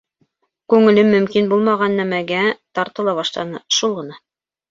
Күңелем мөмкин булмаған нәмәгә тартыла башланы, шул ғына.